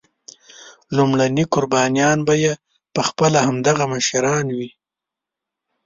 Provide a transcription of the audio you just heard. لومړني قربانیان به یې پخپله همدغه مشران وي.